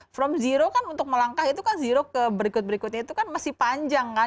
from zero kan untuk melangkah itu kan zero ke berikut berikutnya itu kan masih panjang kan